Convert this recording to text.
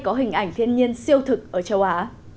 có hình ảnh thiên nhiên siêu thực ở châu á